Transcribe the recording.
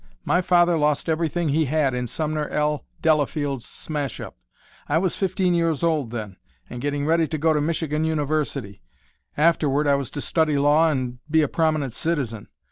My father lost everything he had in Sumner L. Delafield's smash up. I was fifteen years old then, and getting ready to go to Michigan University afterward I was to study law and be a prominent citizen.